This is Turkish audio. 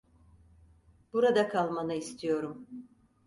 Burada kalmanı istiyorum.